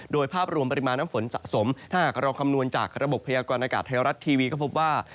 โดยภาพรวมปริมาณน้ำฝนสะสมถ้าหากเราคำนวณจากระบบพยากรณากาศไทยรัฐทีวีก็พบว่า